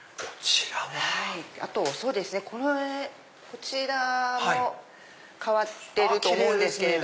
こちらも変わってると思うんですけど。